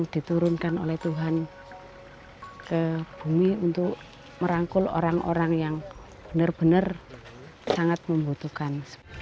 diturunkan oleh tuhan ke bumi untuk merangkul orang orang yang benar benar sangat membutuhkan